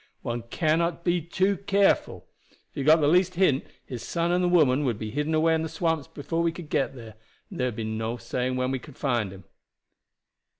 One cannot be too careful. If he got the least hint, his son and the woman would be hidden away in the swamps before we could get there, and there would be no saying when we could find him."